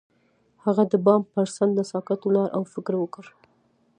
هغه د بام پر څنډه ساکت ولاړ او فکر وکړ.